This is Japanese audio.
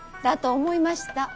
だと思いました。